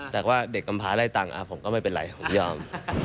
แต่ว่าเด็กกำพาได้ตังค์ผมก็ไม่เป็นไรผมยอม